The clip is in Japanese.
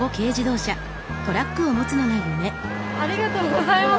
ありがとうございます。